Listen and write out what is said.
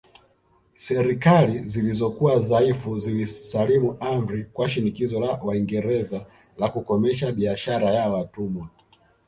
Serikali zilizokuwa dhaifu zilisalimu amri kwa shinikizo la Waingereza la kukomesha biashara ya watumwa